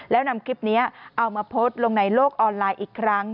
แล้วนำคลิปนี้เอามาโพสต์ลงในโลกออนไลน์อีกครั้ง